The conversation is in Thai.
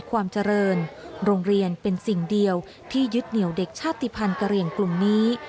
ความเจริญโรงเรียนเป็นสิ่งเดียวที่ยึดเหนียวเด็กชาติภัณฑ์กะเหลี่ยงกลุ่มนี้